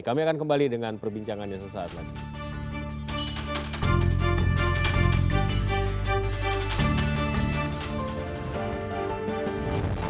kami akan kembali dengan perbincangannya sesaat lagi